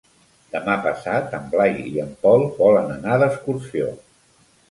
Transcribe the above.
Demà passat en Blai i en Pol volen anar d'excursió.